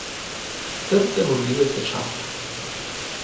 Сэрца яго білася часта.